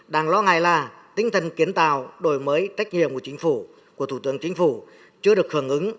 đảng lo ngại là tinh thần kiến tạo đổi mới tách nhiệm của thủ tướng chính phủ chưa được hưởng ứng